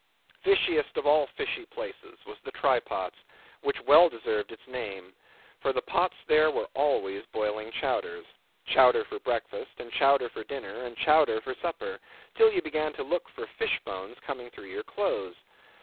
Fishiest of all fishy places was the Try Pots, which well deserved its name; for the pots there were always boiling chowders. Chowder for breakfast, and chowder for dinner, and chowder for supper, till you began to look for fish bones coming through your clothes.